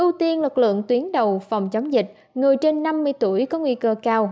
đầu tiên lực lượng tuyến đầu phòng chống dịch người trên năm mươi tuổi có nguy cơ cao